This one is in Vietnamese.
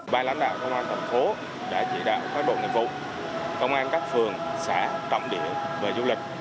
bài lãnh đạo công an cộng phố đã chỉ đạo các bộ nghiệp vụ công an các phường xã trọng điểm về du lịch